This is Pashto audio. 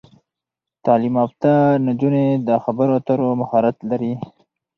تعلیم یافته نجونې د خبرو اترو مهارت لري.